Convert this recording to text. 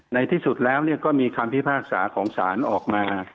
ในที่สุดแล้วก็มีคำพิพากษาของศาลออกมา